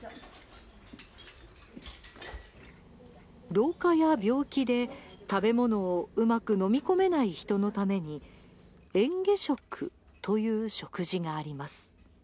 老化や病気で食べ物をうまく飲み込めない人のために嚥下食という食事があります。